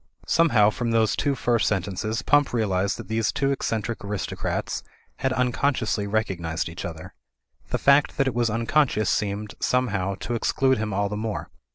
Somehow from those two first sentences Pump realised that these two eccentric aristocrats had un consciously recognised each other. The fact that it was unconscious seemed, somehow, to exclude him all the more.